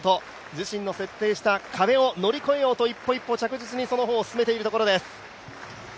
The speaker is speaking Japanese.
自身の設定した壁を乗り越えようと、一歩一歩着実にその歩を進めているとことです。